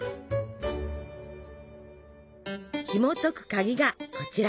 ひもとく鍵がこちら。